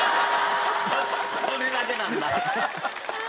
それだけなんだ！